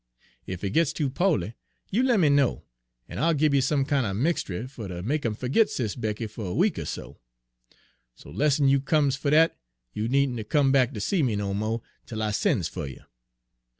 Ef he gits too po'ly, you lemme know, en I'll gib you some kin' er mixtry fer ter make 'im fergit Sis' Becky fer a week er so. So 'less'n you comes fer dat, you neenter come back ter see me no mo' 'tel I sen's fer you.'